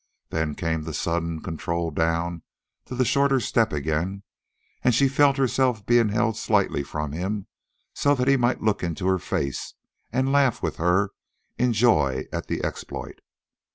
Then came the sudden control down to the shorter step again, and she felt herself being held slightly from him so that he might look into her face and laugh with her in joy at the exploit.